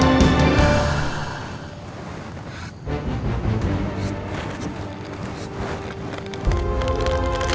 kamu tenang di sana ya